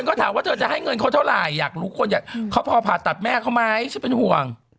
ก็ถามว่าเธอจะให้เงินเขาเท่าไหร่อยากรู้คนอยากเขาพอผ่าตัดแม่เขาไหมฉันเป็นห่วง